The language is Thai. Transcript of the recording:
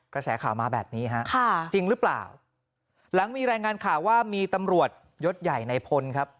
กระแสข่าวมาแบบนี้ฮะค่ะจริงหรือเปล่าหลังมีรายงานข่าวว่ามีตำรวจยศใหญ่ในพลครับ